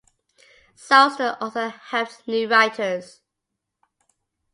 Souster also helped new writers.